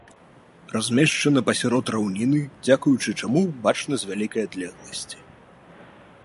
Размешчана пасярод раўніны, дзякуючы чаму бачна з вялікай адлегласці.